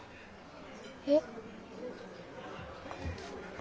えっ？